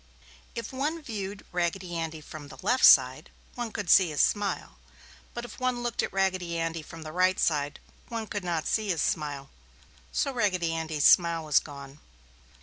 If one viewed Raggedy Andy from the left side, one could see his smile. But if one looked at Raggedy Andy from the right side, one could not see his smile. So Raggedy Andy's smile was gone.